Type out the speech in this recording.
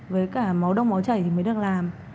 với cả máu đông máu chảy thì mới được làm